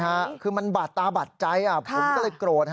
ใช่ครับคือมันบาดตาบาดใจผมก็เลยโกรธ